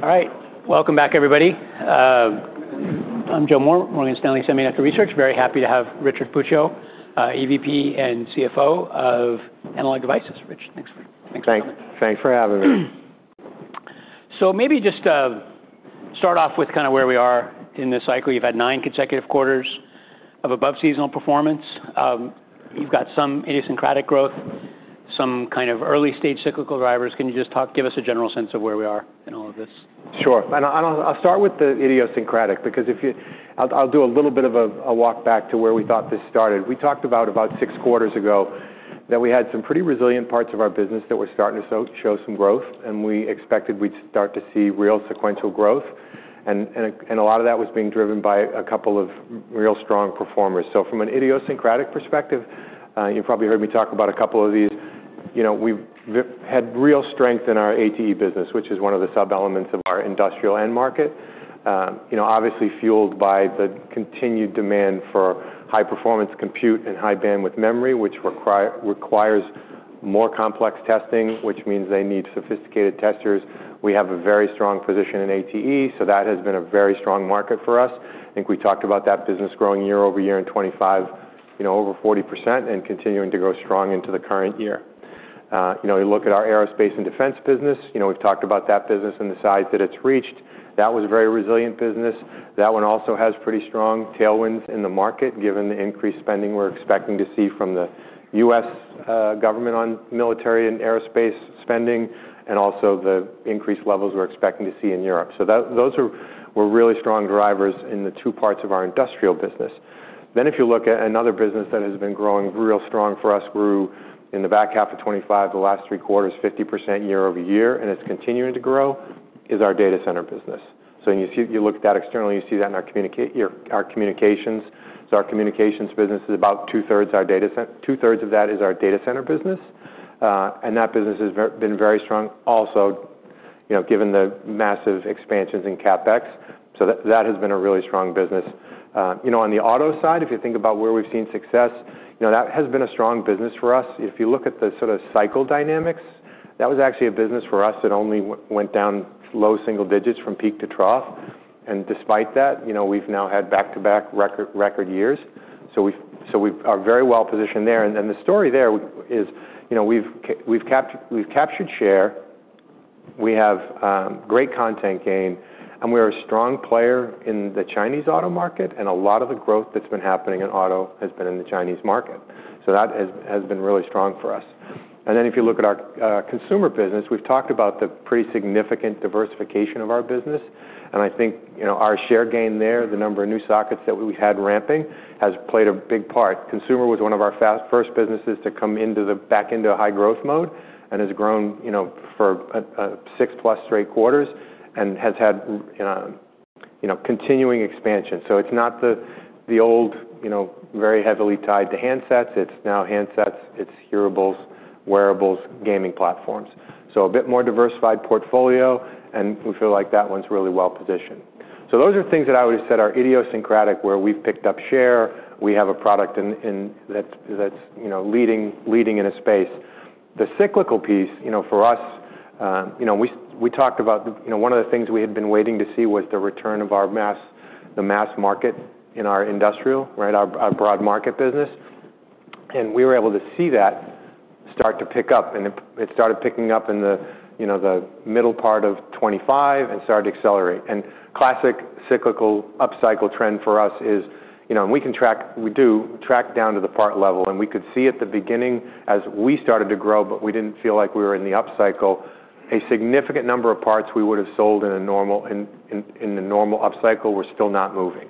All right. Welcome back, everybody. I'm Joe Moore, Morgan Stanley Semiconductor Research. Very happy to have Richard Puccio, EVP and CFO of Analog Devices. Thanks. Thanks for coming. Thanks for having me. Maybe just start off with kind of where we are in this cycle. You've had nine consecutive quarters of above-seasonal performance. You've got some idiosyncratic growth, some kind of early-stage cyclical drivers. Can you just give us a general sense of where we are in all of this? Sure. I'll start with the idiosyncratic because if you I'll do a little bit of a walk back to where we thought this started. We talked about six quarters ago that we had some pretty resilient parts of our business that were starting to show some growth, and we expected we'd start to see real sequential growth, and a lot of that was being driven by a couple of real strong performers. From an idiosyncratic perspective, you probably heard me talk about a couple of these. You know, we've had real strength in our ATE business, which is one of the sub-elements of our industrial end market. You know, obviously fueled by the continued demand for high-performance compute and high-bandwidth memory, which requires more complex testing, which means they need sophisticated testers. We have a very strong position in ATE, so that has been a very strong market for us. I think we talked about that business growing year-over-year in 2025, you know, over 40% and continuing to go strong into the current year. You know, you look at our aerospace and defense business, you know, we've talked about that business and the size that it's reached. That was a very resilient business. That one also has pretty strong tailwinds in the market, given the increased spending we're expecting to see from the U.S. government on military and aerospace spending and also the increased levels we're expecting to see in Europe. Those were really strong drivers in the two parts of our industrial business. If you look at another business that has been growing real strong for us, grew in the back half of 2025, the last three quarters, 50% year-over-year, it's continuing to grow, is our data center business. When you look at that externally, you see that in our communications. Our communications business is about two-thirds our data center, two-thirds of that is our data center business, and that business has been very strong also, you know, given the massive expansions in CapEx. That has been a really strong business. You know, on the auto side, if you think about where we've seen success, you know, that has been a strong business for us. If you look at the sort of cycle dynamics, that was actually a business for us that only went down low single digits from peak to trough. Despite that, you know, we've now had back-to-back record years. We've are very well positioned there. The story there is, you know, we've captured share, we have great content gain, and we're a strong player in the Chinese auto market, and a lot of the growth that's been happening in auto has been in the Chinese market. That has been really strong for us. If you look at our consumer business, we've talked about the pretty significant diversification of our business, and I think, you know, our share gain there, the number of new sockets that we had ramping, has played a big part. Consumer was one of our first businesses to come back into a high-growth mode and has grown, you know, for six plus straight quarters and has had, you know, continuing expansion. It's not the old, you know, very heavily tied to handsets. It's now handsets, it's hearables, wearables, gaming platforms. A bit more diversified portfolio, and we feel like that one's really well-positioned. Those are things that I always said are idiosyncratic, where we've picked up share, we have a product in that's, you know, leading in a space. The cyclical piece, you know, for us, you know, we talked about, you know, one of the things we had been waiting to see was the return of the mass market in our industrial, right, our broad market business. We were able to see that start to pick up, and it started picking up in the, you know, the middle part of 2025 and started to accelerate. Classic cyclical upcycle trend for us is, you know, and we can track, we do track down to the part level, and we could see at the beginning as we started to grow, but we didn't feel like we were in the upcycle, a significant number of parts we would've sold in the normal upcycle were still not moving.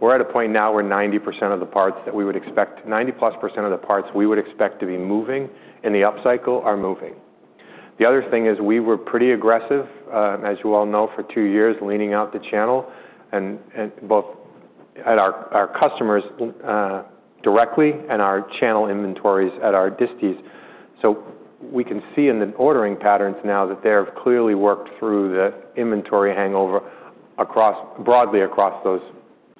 We're at a point now where 90-plus percent of the parts we would expect to be moving in the upcycle are moving. The other thing is we were pretty aggressive, as you all know, for two years, leaning out the channel and both at our customers directly and our channel inventories at our disties. We can see in the ordering patterns now that they have clearly worked through the inventory hangover broadly across those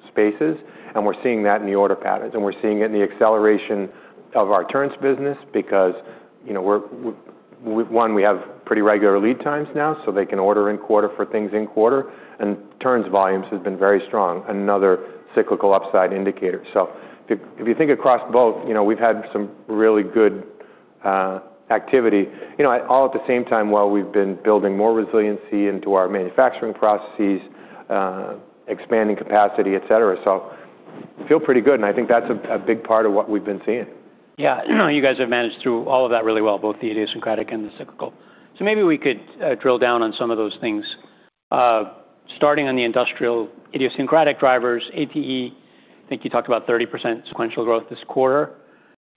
spaces, and we're seeing that in the order patterns, and we're seeing it in the acceleration of our turns business because, you know, we're one, we have pretty regular lead times now, so they can order in quarter for things in quarter, and turns volumes has been very strong, another cyclical upside indicator. If you think across both, you know, we've had some really good activity, you know, all at the same time while we've been building more resiliency into our manufacturing processes, expanding capacity, et cetera. Feel pretty good, and I think that's a big part of what we've been seeing. You guys have managed through all of that really well, both the idiosyncratic and the cyclical. Maybe we could drill down on some of those things. Starting on the industrial idiosyncratic drivers, ATE, I think you talked about 30% sequential growth this quarter.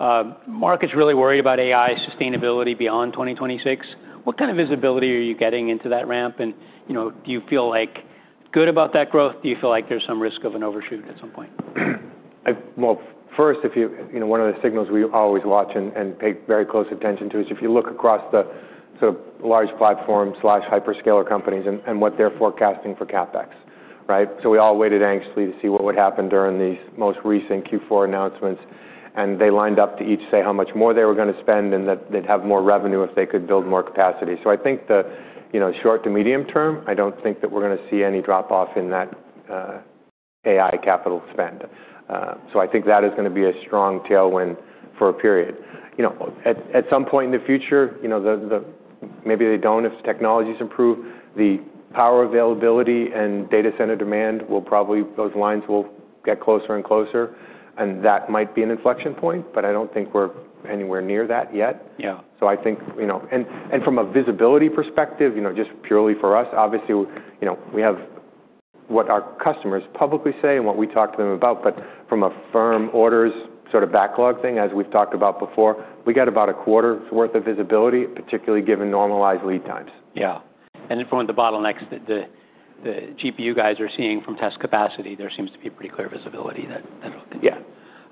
Markets really worry about AI sustainability beyond 2026. What kind of visibility are you getting into that ramp? You know, do you feel, like, good about that growth? Do you feel like there's some risk of an overshoot at some point? Well, first, you know, one of the signals we always watch and pay very close attention to is if you look across the sort of large platform/hyperscaler companies and what they're forecasting for CapEx. Right? We all waited anxiously to see what would happen during these most recent Q4 announcements, and they lined up to each say how much more they were gonna spend and that they'd have more revenue if they could build more capacity. I think the, you know, short to medium term, I don't think that we're gonna see any drop off in that AI capital spend. I think that is gonna be a strong tailwind for a period. You know, at some point in the future, you know, maybe they don't if technologies improve, the power availability and data center demand will probably... those lines will get closer and closer, and that might be an inflection point, but I don't think we're anywhere near that yet. Yeah. I think, you know, from a visibility perspective, you know, just purely for us, obviously, you know, we have what our customers publicly say and what we talk to them about. From a firm orders sort of backlog thing, as we've talked about before, we get about a quarter's worth of visibility, particularly given normalized lead times. Yeah. From the bottlenecks the GPU guys are seeing from test capacity, there seems to be pretty clear visibility. Yeah.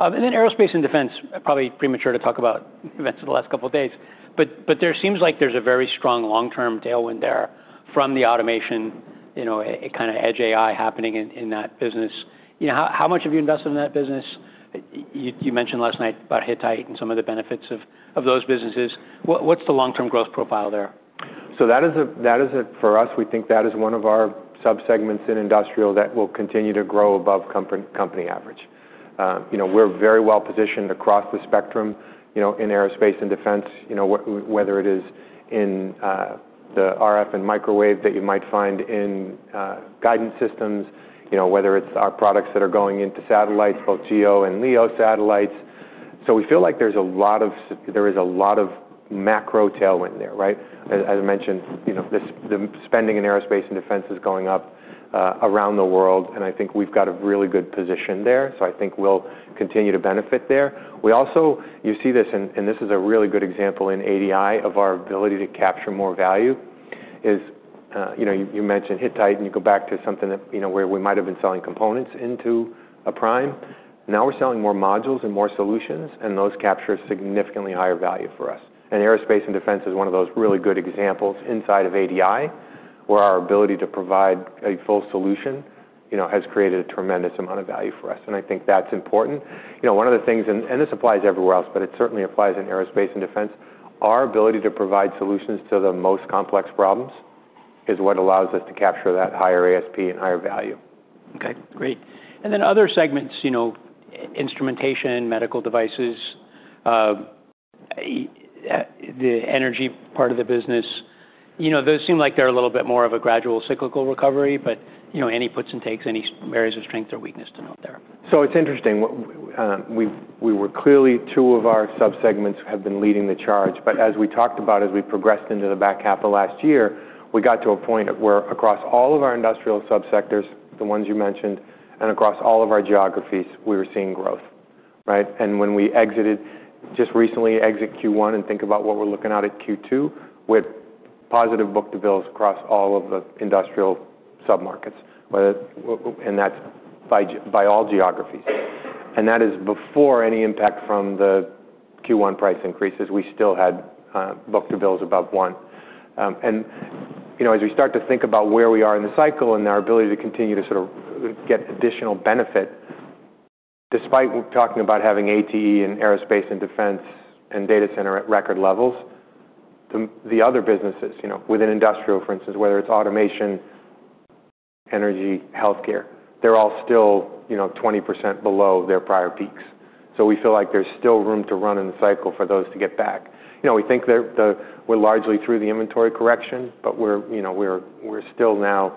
Aerospace and defense, probably premature to talk about events in the last couple of days, but there seems like there's a very strong long-term tailwind there from the automation, you know, a kind of edge AI happening in that business. You know, how much have you invested in that business? You mentioned last night about Hittite and some of the benefits of those businesses. What's the long-term growth profile there? For us, we think that is one of our sub-segments in industrial that will continue to grow above company average. You know, we're very well-positioned across the spectrum, you know, in aerospace and defense, you know, whether it is in the RF and microwave that you might find in guidance systems, you know, whether it's our products that are going into satellites, both geo and LEO satellites. We feel like there is a lot of macro tailwind there, right. As I mentioned, you know, the spending in aerospace and defense is going up around the world, and I think we've got a really good position there, so I think we'll continue to benefit there. We also. You see this, and this is a really good example in ADI of our ability to capture more value, is, you know, you mentioned Hittite, and you go back to something that, you know, where we might have been selling components into a prime. Now we're selling more modules and more solutions, and those capture significantly higher value for us. Aerospace and defense is one of those really good examples inside of ADI, where our ability to provide a full solution, you know, has created a tremendous amount of value for us. I think that's important. You know, one of the things, and this applies everywhere else, but it certainly applies in aerospace and defense, our ability to provide solutions to the most complex problems is what allows us to capture that higher ASP and higher value. Okay, great. Other segments, you know, instrumentation, medical devices, the energy part of the business, you know, those seem like they're a little bit more of a gradual cyclical recovery, but, you know, any puts and takes, any areas of strength or weakness to note there? It's interesting. We were clearly two of our sub-segments have been leading the charge. As we talked about as we progressed into the back half of last year, we got to a point where across all of our industrial sub-sectors, the ones you mentioned, and across all of our geographies, we were seeing growth, right? When we exited, just recently exit Q1 and think about what we're looking at at Q2, we had positive book-to-bills across all of the industrial sub-markets, and that's by all geographies. That is before any impact from the Q1 price increases. We still had book-to-bills above one. You know, as we start to think about where we are in the cycle and our ability to continue to sort of get additional benefit, despite talking about having ATE and aerospace and defense and data center at record levels, the other businesses, you know, within industrial, for instance, whether it's automation, energy, healthcare, they're all still, you know, 20% below their prior peaks. We feel like there's still room to run in the cycle for those to get back. You know, we think we're largely through the inventory correction, but we're, you know, we're still now,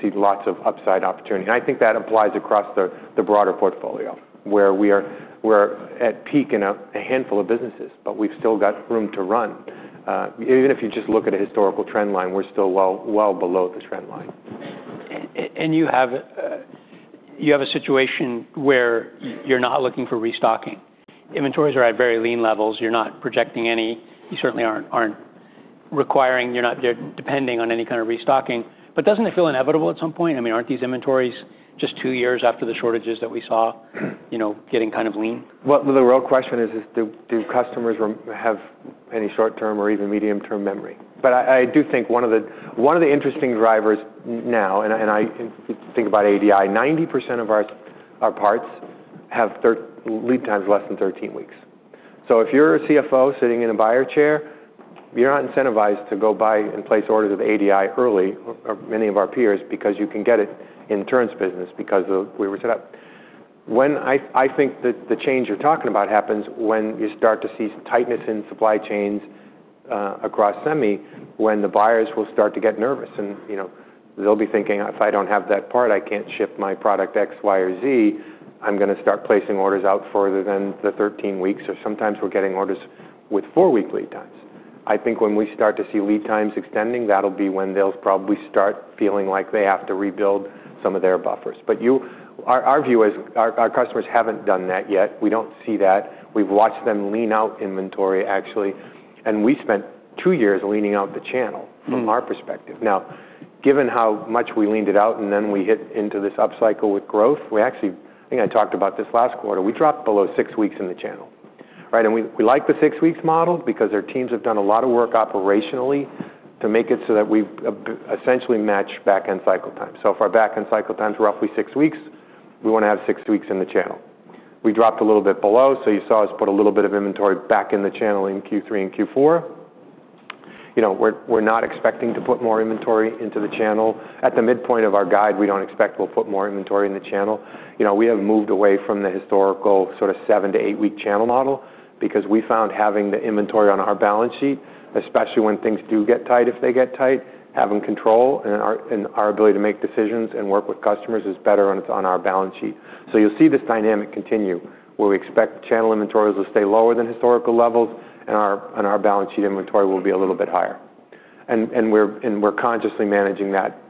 see lots of upside opportunity. I think that applies across the broader portfolio, where we're at peak in a handful of businesses, but we've still got room to run. Even if you just look at a historical trend line, we're still well below the trend line. You have a situation where you're not looking for restocking. Inventories are at very lean levels. You're not projecting any. You certainly aren't requiring. You're not depending on any kind of restocking. Doesn't it feel inevitable at some point? I mean, aren't these inventories just two years after the shortages that we saw, you know, getting kind of lean? The real question is, do customers have any short-term or even medium-term memory? I do think one of the, one of the interesting drivers now, and I, and I think about ADI, 90% of our parts have lead times less than 13 weeks. If you're a CFO sitting in a buyer chair, you're not incentivized to go buy and place orders with ADI early, or many of our peers, because you can get it in turns business because of the way we're set up. I think that the change you're talking about happens when you start to see tightness in supply chains across semi, when the buyers will start to get nervous and, you know, they'll be thinking, "If I don't have that part, I can't ship my product X, Y, or Z. I'm gonna start placing orders out further than the 13 weeks. Sometimes we're getting orders with 4-week lead times. I think when we start to see lead times extending, that'll be when they'll probably start feeling like they have to rebuild some of their buffers. Our view is our customers haven't done that yet. We don't see that. We've watched them lean out inventory, actually, and we spent two years leaning out the channel. Mm-hmm. From our perspective. Now, given how much we leaned it out and then we hit into this upcycle with growth, we actually I think I talked about this last quarter. We dropped below six weeks in the channel. Right, we like the six weeks model because our teams have done a lot of work operationally to make it so that we've essentially match back-end cycle time. If our back-end cycle time is roughly six weeks, we wanna have six weeks in the channel. We dropped a little bit below, so you saw us put a little bit of inventory back in the channel in Q3 and Q4. You know, we're not expecting to put more inventory into the channel. At the midpoint of our guide, we don't expect we'll put more inventory in the channel. You know, we have moved away from the historical sort of seven to eight-week channel model because we found having the inventory on our balance sheet, especially when things do get tight, if they get tight, having control and our ability to make decisions and work with customers is better when it's on our balance sheet. You'll see this dynamic continue, where we expect channel inventories will stay lower than historical levels, and our balance sheet inventory will be a little bit higher. We're consciously managing that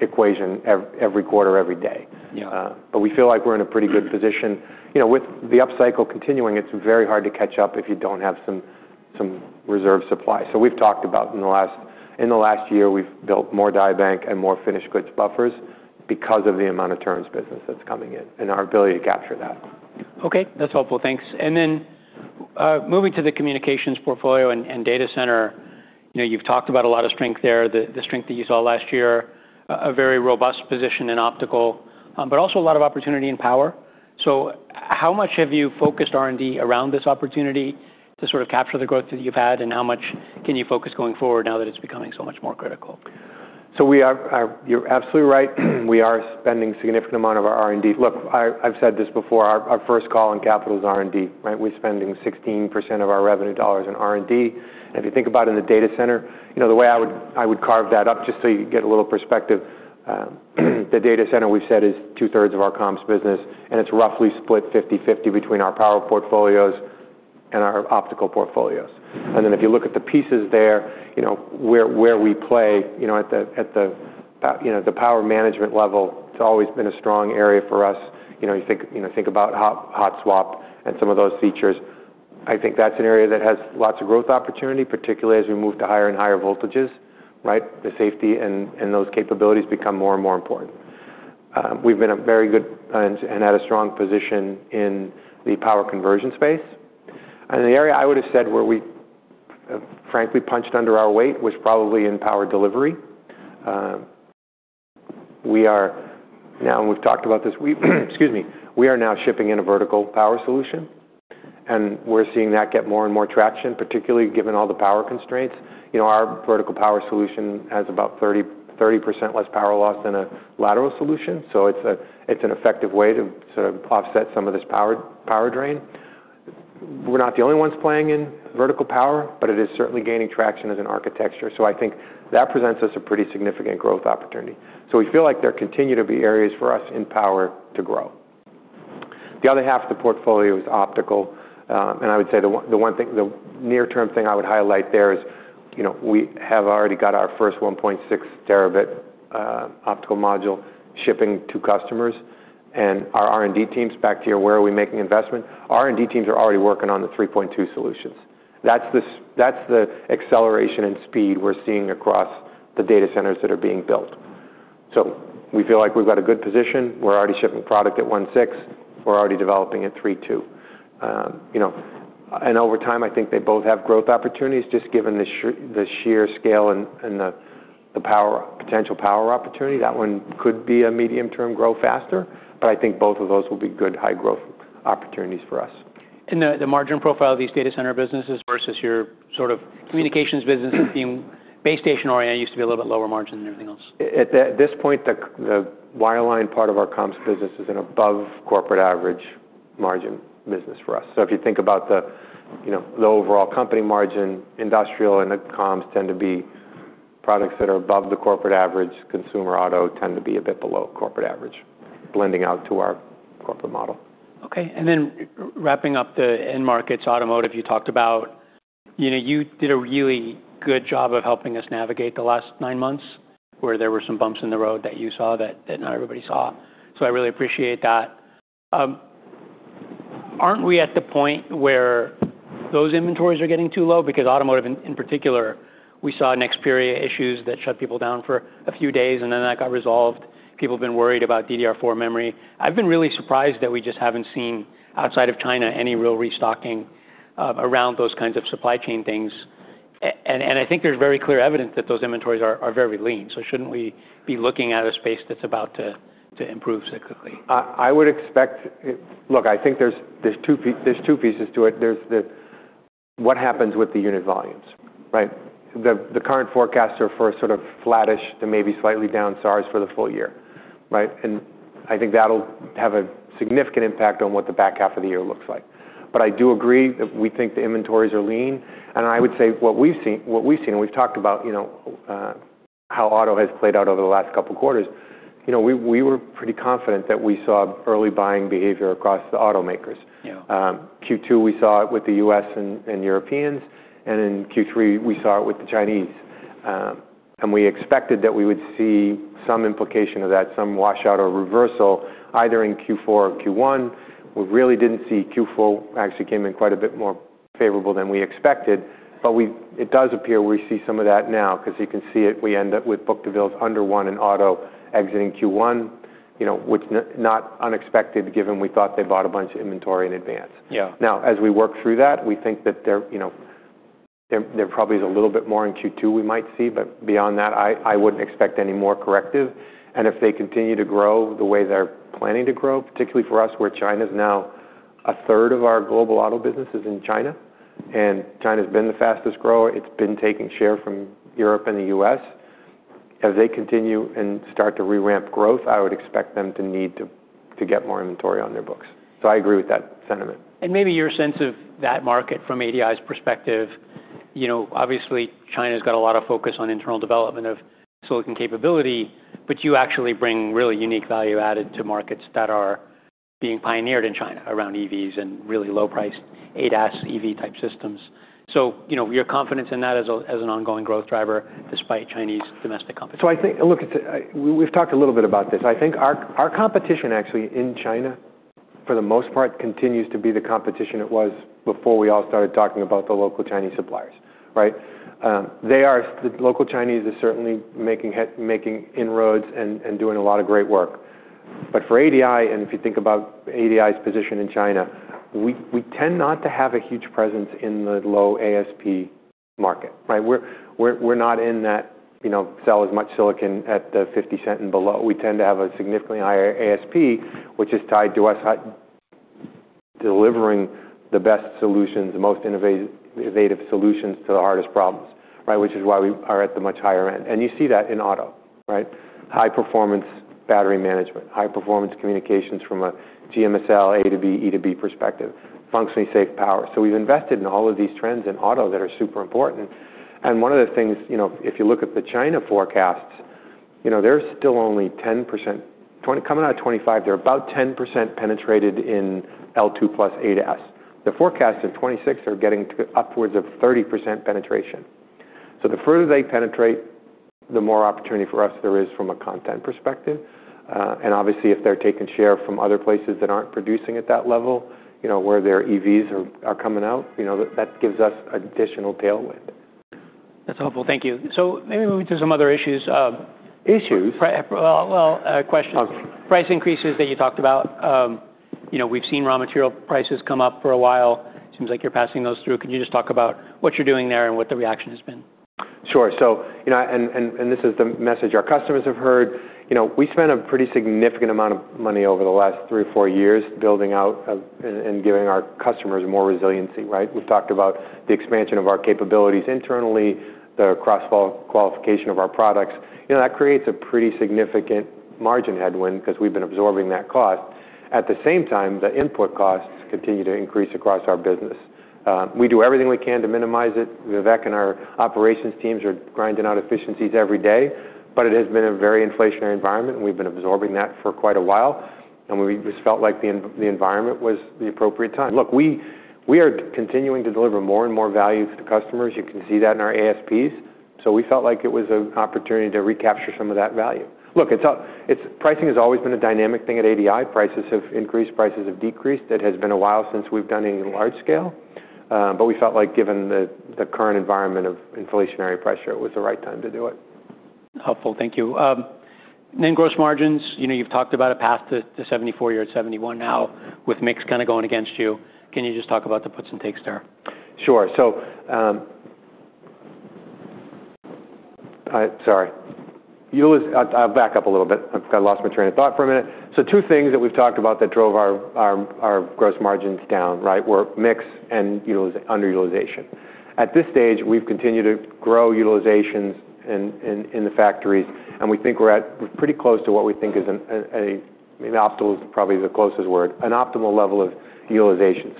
equation every quarter, every day. Yeah. We feel like we're in a pretty good position. You know, with the up-cycle continuing, it's very hard to catch up if you don't have some reserve supply. We've talked about in the last year, we've built more die bank and more finished goods buffers because of the amount of turns business that's coming in and our ability to capture that. Okay, that's helpful. Thanks. Moving to the communications portfolio and data center, you know, you've talked about a lot of strength there, the strength that you saw last year, a very robust position in optical, but also a lot of opportunity and power. How much have you focused R&D around this opportunity to sort of capture the growth that you've had, and how much can you focus going forward now that it's becoming so much more critical? You're absolutely right. We are spending significant amount of our R&D. Look, I've said this before, our first call on capital is R&D, right? We're spending 16% of our revenue dollars in R&D. If you think about in the data center, you know, the way I would carve that up just so you get a little perspective, the data center we've said is 2/3 of our comms business, and it's roughly split 50/50 between our power portfolios and our optical portfolios. If you look at the pieces there, you know, where we play, you know, at the, at the, you know, the power management level, it's always been a strong area for us. You know, you think about hot swap and some of those features. I think that's an area that has lots of growth opportunity, particularly as we move to higher and higher voltages, right? The safety and those capabilities become more and more important. We've been a very good and at a strong position in the power conversion space. The area I would have said where we frankly punched under our weight was probably in power delivery. We are now, and we've talked about this. We are now shipping in a vertical power solution, and we're seeing that get more and more traction, particularly given all the power constraints. You know, our vertical power solution has about 30% less power loss than a lateral solution. It's a, it's an effective way to sort of offset some of this power drain. We're not the only ones playing in vertical power, but it is certainly gaining traction as an architecture. I think that presents us a pretty significant growth opportunity. We feel like there continue to be areas for us in power to grow. The other half of the portfolio is optical, and I would say the near-term thing I would highlight there is, you know, we have already got our first 1.6 terabit optical module shipping to customers and our R&D teams back to where are we making investment. R&D teams are already working on the 3.2 solutions. That's the acceleration and speed we're seeing across the data centers that are being built. We feel like we've got a good position. We're already shipping product at 1.6. We're already developing at 3.2. You know, over time, I think they both have growth opportunities just given the sheer scale and the potential power opportunity. That one could be a medium-term grow faster, but I think both of those will be good high-growth opportunities for us. The margin profile of these data center businesses versus your sort of communications business being base station-oriented used to be a little bit lower margin than everything else. At this point, the wireline part of our comms business is an above corporate average margin business for us. If you think about the, you know, the overall company margin, industrial and the comms tend to be products that are above the corporate average, consumer auto tend to be a bit below corporate average, blending out to our corporate model. Okay. Wrapping up the end markets, automotive, you talked about, you know, you did a really good job of helping us navigate the last nine months, where there were some bumps in the road that you saw that not everybody saw. I really appreciate that. Aren't we at the point where those inventories are getting too low? Automotive in particular, we saw an Xilinx issues that shut people down for a few days, and then that got resolved. People have been worried about DDR4 memory. I've been really surprised that we just haven't seen, outside of China, any real restocking around those kinds of supply chain things. I think there's very clear evidence that those inventories are very lean. Shouldn't we be looking at a space that's about to improve cyclically? I would expect it. Look, I think there's two pieces to it. There's what happens with the unit volumes, right? The current forecasts are for sort of flattish to maybe slightly down SAAR for the full year, right? I think that'll have a significant impact on what the back half of the year looks like. I do agree that we think the inventories are lean. I would say what we've seen, what we've seen, and we've talked about, you know, how auto has played out over the last couple of quarters, you know, we were pretty confident that we saw early buying behavior across the automakers. Yeah. Q2, we saw it with the U.S. and Europeans, and in Q3, we saw it with the Chinese. We expected that we would see some implication of that, some washout or reversal either in Q4 or Q1. We really didn't see Q4, actually came in quite a bit more favorable than we expected. It does appear we see some of that now because you can see it, we end up with book-to-bill under one in auto exiting Q1. You know, which not unexpected given we thought they bought a bunch of inventory in advance. Yeah. Now, as we work through that, we think that there, you know, there probably is a little bit more in Q2 we might see, but beyond that, I wouldn't expect any more corrective. If they continue to grow the way they're planning to grow, particularly for us, where China's now a third of our global auto business is in China, and China's been the fastest grower. It's been taking share from Europe and the U.S. As they continue and start to re-ramp growth, I would expect them to need to get more inventory on their books. I agree with that sentiment. Maybe your sense of that market from ADI's perspective, you know, obviously, China's got a lot of focus on internal development of silicon capability, but you actually bring really unique value added to markets that are being pioneered in China around EVs and really low-priced ADAS EV-type systems. Your confidence in that as an ongoing growth driver despite Chinese domestic competition. I think. Look, it's a. We've talked a little bit about this. I think our competition actually in China, for the most part, continues to be the competition it was before we all started talking about the local Chinese suppliers, right? The local Chinese are certainly making inroads and doing a lot of great work. For ADI, and if you think about ADI's position in China, we tend not to have a huge presence in the low ASP market, right? We're not in that, you know, sell as much silicon at the $0.50 and below. We tend to have a significantly higher ASP, which is tied to us delivering the best solutions, the most innovative solutions to the hardest problems, right? Which is why we are at the much higher end. You see that in auto, right? High performance battery management, high performance communications from a GMSL A to B, E to B perspective, functionally safe power. We've invested in all of these trends in auto that are super important. One of the things, you know, if you look at the China forecasts, you know, they're still only 10%. Coming out of 2025, they're about 10% penetrated in L2+ ADAS. The forecast in 2026 are getting to upwards of 30% penetration. The further they penetrate, the more opportunity for us there is from a content perspective. Obviously, if they're taking share from other places that aren't producing at that level, you know, where their EVs are coming out, you know, that gives us additional tailwind. That's helpful. Thank you. Maybe moving to some other issues. Issues? Well, well, questions. Okay. Price increases that you talked about, you know, we've seen raw material prices come up for a while. Seems like you're passing those through. Could you just talk about what you're doing there and what the reaction has been? Sure. You know, and this is the message our customers have heard. You know, we spent a pretty significant amount of money over the last three or four years building out and giving our customers more resiliency, right? We've talked about the expansion of our capabilities internally, the cross-qualification of our products. You know, that creates a pretty significant margin headwind 'cause we've been absorbing that cost. At the same time, the input costs continue to increase across our business. We do everything we can to minimize it. Vivek and our operations teams are grinding out efficiencies every day. It has been a very inflationary environment, and we've been absorbing that for quite a while. We just felt like the environment was the appropriate time. Look, we are continuing to deliver more and more value to customers. You can see that in our ASPs. We felt like it was an opportunity to recapture some of that value. Look, it's pricing has always been a dynamic thing at ADI. Prices have increased, prices have decreased. It has been a while since we've done any large scale, we felt like given the current environment of inflationary pressure, it was the right time to do it. Helpful. Thank you. Net gross margins, you know, you've talked about a path to 74%. You're at 71% now with mix kinda going against you. Can you just talk about the puts and takes there? Sure. I've lost my train of thought for a minute. Two things that we've talked about that drove our gross margins down, right? Were mix and underutilization. At this stage, we've continued to grow utilizations in the factories, and we think we're pretty close to what we think is an optimal is probably the closest word, an optimal level of utilization.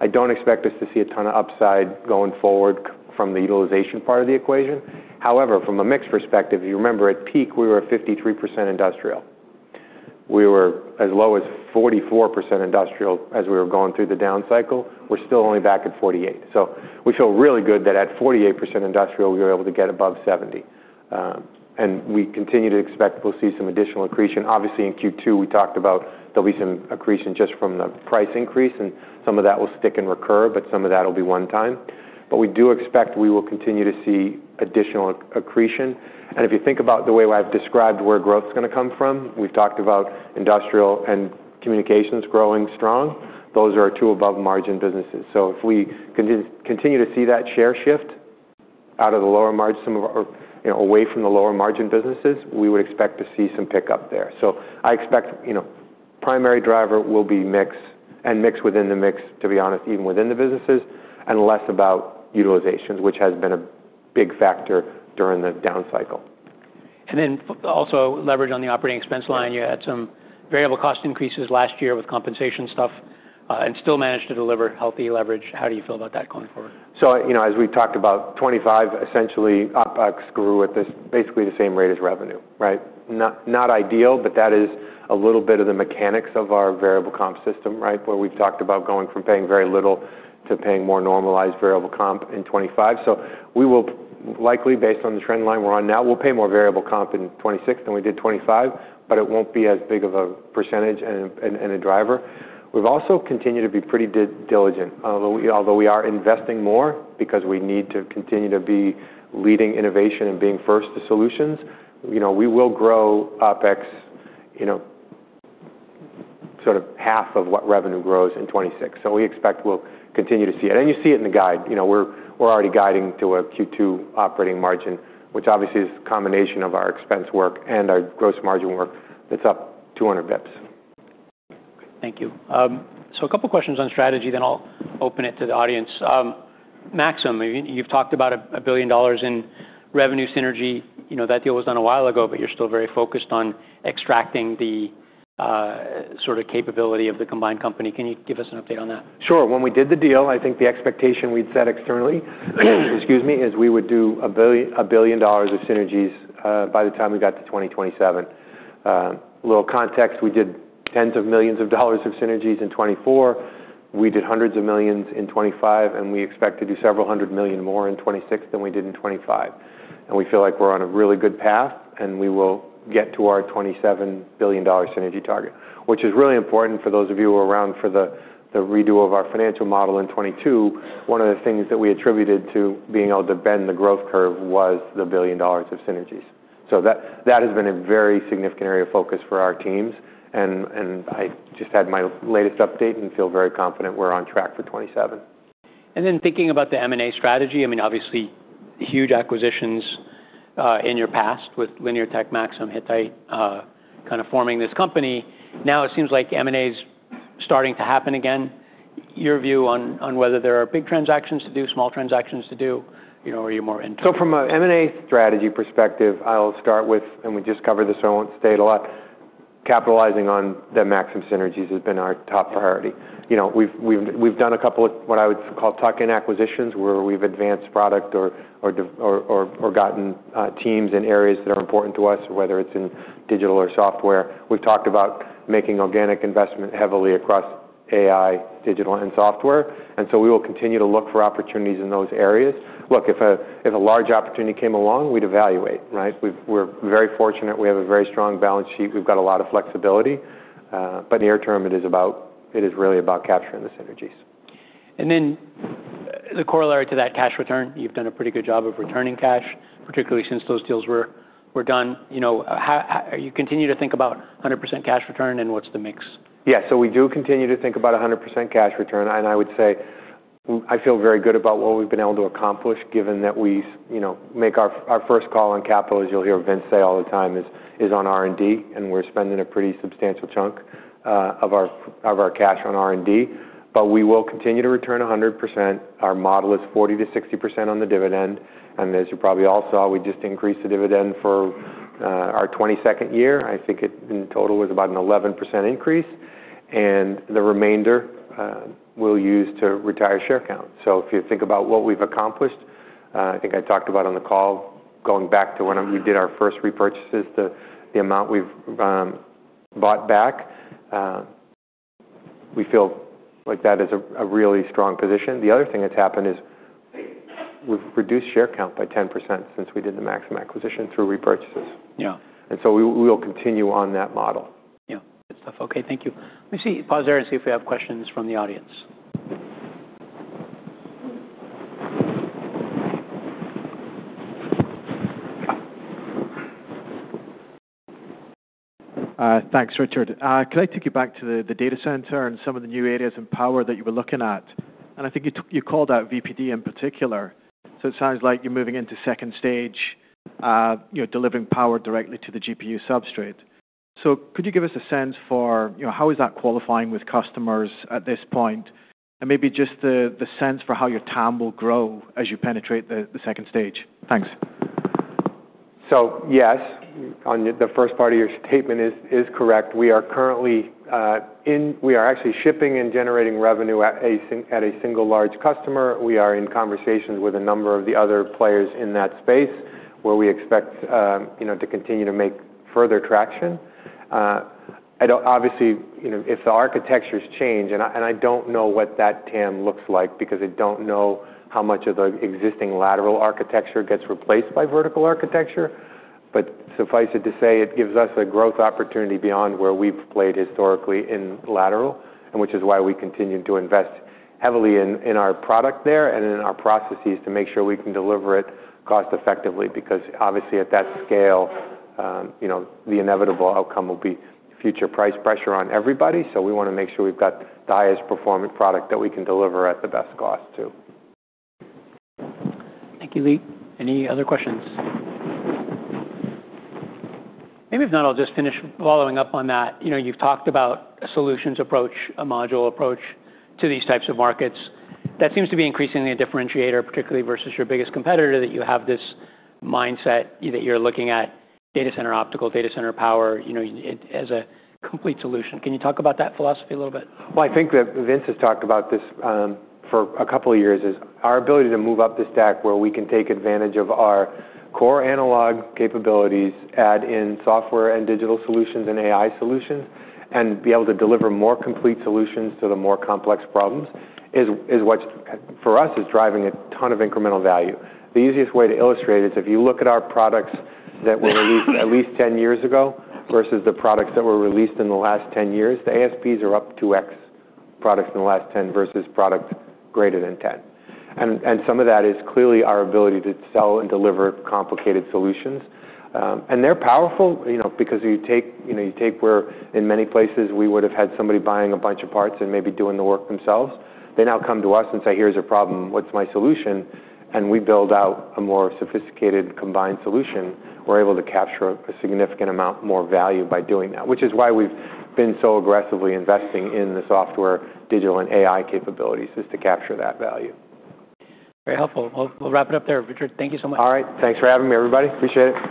I don't expect us to see a ton of upside going forward from the utilization part of the equation. However, from a mix perspective, you remember at peak, we were at 53% industrial. We were as low as 44% industrial as we were going through the down cycle. We're still only back at 48%. We feel really good that at 48% industrial, we were able to get above 70%. We continue to expect we'll see some additional accretion. Obviously, in Q2, we talked about there'll be some accretion just from the price increase, and some of that will stick and recur, but some of that'll be one time. We do expect we will continue to see additional accretion. If you think about the way I've described where growth is gonna come from, we've talked about industrial and communications growing strong. Those are our two above-margin businesses. If we continue to see that share shift out of the lower margin, some of our, you know, away from the lower margin businesses, we would expect to see some pickup there. I expect, you know, primary driver will be mix and mix within the mix, to be honest, even within the businesses, and less about utilizations, which has been a big factor during the down cycle. also leverage on the operating expense line. You had some variable cost increases last year with compensation stuff, and still managed to deliver healthy leverage. How do you feel about that going forward? you know, as we've talked about 2025, essentially, OPEX grew at basically the same rate as revenue, right? Not ideal, but that is a little bit of the mechanics of our variable comp system, right? Where we've talked about going from paying very little to paying more normalized variable comp in 2025. We will likely, based on the trend line we're on now, we'll pay more variable comp in 2026 than we did 2025, but it won't be as big of a percentage and a driver. We've also continued to be pretty diligent. Although we are investing more because we need to continue to be leading innovation and being first to solutions, you know, we will grow OPEX, sort of half of what revenue grows in 2026. We expect we'll continue to see it. You see it in the guide. You know, we're already guiding to a Q2 operating margin, which obviously is a combination of our expense work and our gross margin work that's up 200 basis points. Thank you. A couple of questions on strategy, I'll open it to the audience. Maxim, you've talked about a $1 billion in revenue synergy. You know, that deal was done a while ago, but you're still very focused on extracting the sort of capability of the combined company. Can you give us an update on that? Sure. When we did the deal, I think the expectation we'd set externally, excuse me, is we would do a $1 billion of synergies by the time we got to 2027. A little context, we did tens of millions of dollars of synergies in 2024. We did hundreds of millions in 2025, we expect to do several hundred million more in 2026 than we did in 2025. We feel like we're on a really good path, we will get to our $27 billion synergy target, which is really important for those of you who were around for the redo of our financial model in 2022. One of the things that we attributed to being able to bend the growth curve was the $1 billion of synergies. That has been a very significant area of focus for our teams. I just had my latest update and feel very confident we're on track for 2027. Thinking about the M&A strategy, I mean, obviously huge acquisitions in your past with Linear Tech, Maxim, Hittite, kind of forming this company. Now it seems like M&A is starting to happen again. Your view on whether there are big transactions to do, small transactions to do, you know, are you more in- From a M&A strategy perspective, I'll start with, and we just covered this, so I won't state a lot, capitalizing on the Maxim synergies has been our top priority. You know, we've done a couple of what I would call tuck-in acquisitions, where we've advanced product or gotten teams in areas that are important to us, whether it's in digital or software. We've talked about making organic investment heavily across AI, digital, and software. We will continue to look for opportunities in those areas. Look, if a, if a large opportunity came along, we'd evaluate, right? We're very fortunate. We have a very strong balance sheet. We've got a lot of flexibility. Near term, it is really about capturing the synergies. The corollary to that cash return, you've done a pretty good job of returning cash, particularly since those deals were done. You know, are you continuing to think about a 100% cash return, and what's the mix? Yeah. We do continue to think about 100% cash return, I would say I feel very good about what we've been able to accomplish given that we, you know, make our first call on capital, as you'll hear Vince say all the time is on R&D, and we're spending a pretty substantial chunk of our cash on R&D. We will continue to return 100%. Our model is 40%-60% on the dividend. As you probably all saw, we just increased the dividend for our 22nd year. I think it in total was about an 11% increase. The remainder we'll use to retire share count. If you think about what we've accomplished, I think I talked about on the call going back to when we did our first repurchases, the amount we've bought back, we feel like that is a really strong position. The other thing that's happened is we've reduced share count by 10% since we did the Maxim acquisition through repurchases. Yeah. We will continue on that model. Yeah. Good stuff. Okay. Thank you. Pause there and see if we have questions from the audience. Thanks, Richard. Could I take you back to the data center and some of the new areas in power that you were looking at? I think you called out VPD in particular. It sounds like you're moving into second stage, you're delivering power directly to the GPU substrate. Could you give us a sense for, you know, how is that qualifying with customers at this point? Maybe just the sense for how your TAM will grow as you penetrate the second stage. Thanks. Yes, on the first part of your statement is correct. We are currently actually shipping and generating revenue at a single large customer. We are in conversations with a number of the other players in that space where we expect, you know, to continue to make further traction. Obviously, you know, if the architectures change, and I don't know what that TAM looks like because I don't know how much of the existing lateral architecture gets replaced by vertical architecture. Suffice it to say, it gives us a growth opportunity beyond where we've played historically in lateral, and which is why we continue to invest heavily in our product there and in our processes to make sure we can deliver it cost effectively. Obviously at that scale, you know, the inevitable outcome will be future price pressure on everybody. We wanna make sure we've got the highest performing product that we can deliver at the best cost too. Thank you, Lee. Any other questions? Maybe if not, I'll just finish following up on that. You know, you've talked about a solutions approach, a module approach to these types of markets. That seems to be increasingly a differentiator, particularly versus your biggest competitor, that you have this mindset either you're looking at data center optical, data center power, you know, it as a complete solution. Can you talk about that philosophy a little bit? Well, I think that Vince has talked about this, for a couple of years, is our ability to move up the stack where we can take advantage of our core analog capabilities, add in software and digital solutions and AI solutions, and be able to deliver more complete solutions to the more complex problems is what's for us, is driving a ton of incremental value. The easiest way to illustrate is if you look at our products that were released at least 10 years ago versus the products that were released in the last 10 years, the ASPs are up 2x products in the last 10 versus products greater than 10. Some of that is clearly our ability to sell and deliver complicated solutions. They're powerful, you know, because you take, you know, you take where in many places we would have had somebody buying a bunch of parts and maybe doing the work themselves. They now come to us and say, "Here's a problem. What's my solution?" We build out a more sophisticated combined solution. We're able to capture a significant amount more value by doing that, which is why we've been so aggressively investing in the software, digital, and AI capabilities, is to capture that value. Very helpful. We'll wrap it up there, Richard. Thank you so much. All right. Thanks for having me, everybody. Appreciate it.